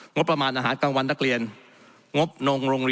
งบประมาณอาหารกลางวันนักเรียนงบนงโรงเรียน